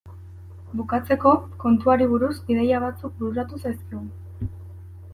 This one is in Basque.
Bukatzeko, kontuari buruz ideia batzuk bururatu zaizkigu.